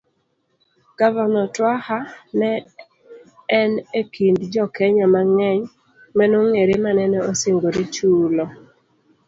Gavana Twaha ne en e kind jokenya mang'eny manong'ere manene osingore chulo